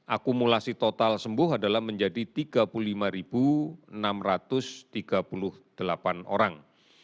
akumulasi total sembuh adalah menjadi tiga puluh lima enam ratus tiga puluh delapan orang